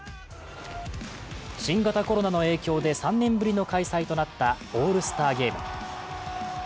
新型コロナの影響で３年ぶりの開催となったオールスターゲーム。